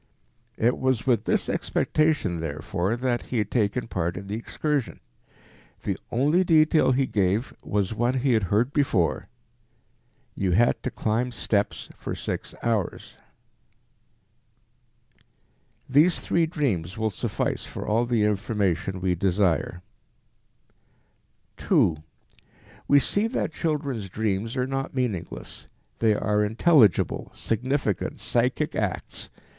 It was with this expectation, therefore, that he had taken part in the excursion. The only detail he gave was one he had heard before, "you had to climb steps for six hours." These three dreams will suffice for all the information we desire. 2. We see that children's dreams are not meaningless; they are intelligible, significant, psychic acts.